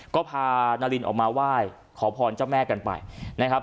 ก็พานารินออกมาไหว้ขอพรเจ้าแม่กันไปนะครับ